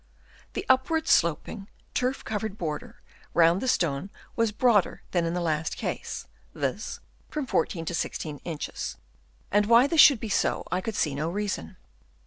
The up wardly sloping, turf covered border round the stone was broader than in the last case, viz., from 14 to 16 inches; and why this should be so, I could see no reason.